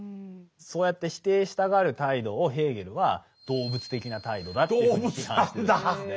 そうやって否定したがる態度をヘーゲルは動物的な態度だっていうふうに批判してるんですね。